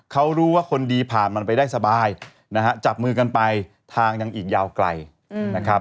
เขารู้ว่าคนดีผ่านมันไปได้สบายนะฮะจับมือกันไปทางยังอีกยาวไกลนะครับ